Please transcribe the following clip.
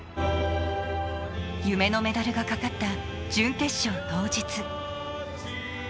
夢のメダルがかかった準決勝当日。